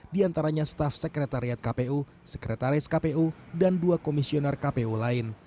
di antaranya staf sekretariat kpu sekretaris kpu dan dua komisioner kpu lain